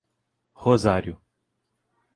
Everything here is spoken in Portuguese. Rosário